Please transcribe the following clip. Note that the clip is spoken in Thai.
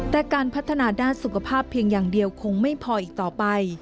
แต่การพัฒนาด้านสุขภาพเพียงอย่างเดียวคงไม่พออีกต่อไป